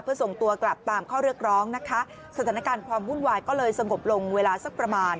เพื่อส่งตัวกลับตามข้อเรียกร้องนะคะสถานการณ์ความวุ่นวายก็เลยสงบลงเวลาสักประมาณ